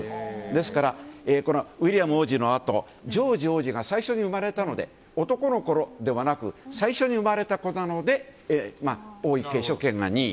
ですから、ウィリアム王子のあとジョージ王子が最初に生まれたので男の子ではなく最初に生まれた子なので王位継承権が２位。